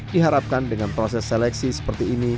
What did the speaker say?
diharapkan dengan proses seleksi seperti ini